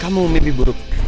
kamu mimpi buruk